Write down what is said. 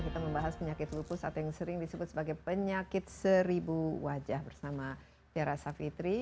kita membahas penyakit lupus atau yang sering disebut sebagai penyakit seribu wajah bersama tiara savitri